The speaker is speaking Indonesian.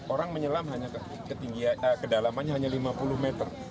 orang menyelam hanya ke dalamnya lima puluh meter